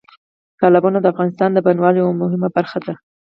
تالابونه د افغانستان د بڼوالۍ یوه مهمه برخه ده.